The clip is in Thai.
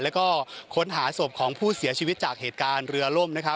แล้วก็ค้นหาศพของผู้เสียชีวิตจากเหตุการณ์เรือล่ม